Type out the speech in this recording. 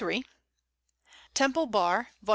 Temple Bar, vols.